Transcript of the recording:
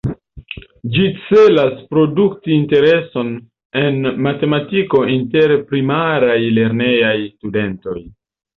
Ĝi celas produkti intereson en matematiko inter Primaraj lernejaj studentoj.